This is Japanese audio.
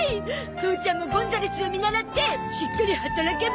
父ちゃんもゴンザレスを見習ってしっかり働けば？